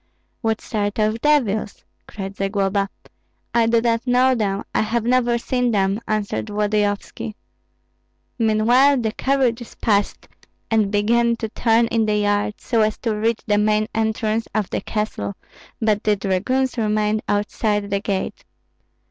"What sort of devils?" asked Zagloba. "I do not know them, I have never seen them," answered Volodyovski. Meanwhile the carriages passed, and began to turn in the yard so as to reach the main entrance of the castle, but the dragoons remained outside the gate.